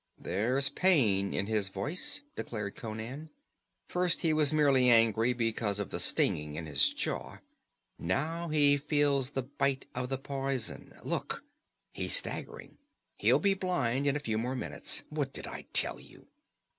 "There's pain in his voice," declared Conan. "First he was merely angry because of the stinging in his jaw. Now he feels the bite of the poison. Look! He's staggering. He'll be blind in a few more minutes. What did I tell you?"